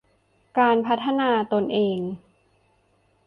การพัฒนาตนเอง